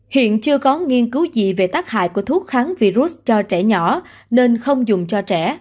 hiện chưa có nghiên cứu gì về tác hại của thuốc kháng virus cho trẻ nhỏ nên không dùng cho trẻ